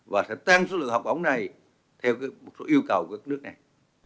và sẽ tăng số lượng học bổng này theo một số yêu cầu của các nước này